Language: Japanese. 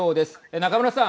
中村さん。